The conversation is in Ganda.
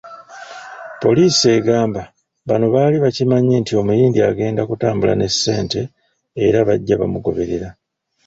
Poliisi egamba bano baali bakimanyi nti omuyindi agenda kutambula ne ssente era bajja bamugoberera.